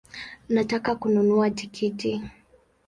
Nataka kununua tikiti